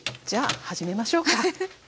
じゃあ始めましょうか。